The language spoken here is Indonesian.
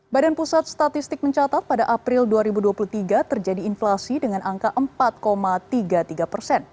badan pusat statistik mencatat pada april dua ribu dua puluh tiga terjadi inflasi dengan angka empat tiga puluh tiga persen